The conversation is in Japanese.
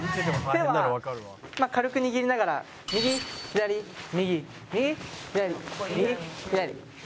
手は軽く握りながら右左右右左右左左。